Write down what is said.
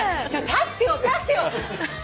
立ってよ立ってよ。